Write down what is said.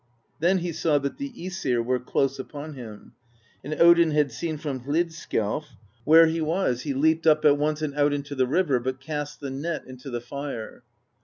Then he saw that the ^sir were close upon him; and Odin had seen from Hlidskjalf where 76 PROSE EDDA he was. He leaped up at once and out into the river, but cast the net into the fire.